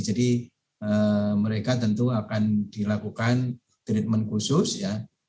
jadi mereka tentu akan dilakukan treatment khusus ya